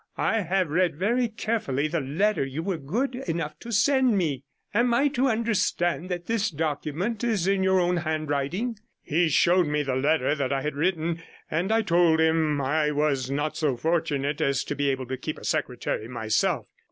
I have read very carefully the letter you were good enough to send me. Am I to understand that this document is in your own handwriting?' He showed me the letter that I had written, and I told him I was not so fortunate as to be able to keep a secretary myself.